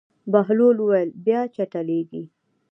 بهلول وویل: بیا چټلېږي.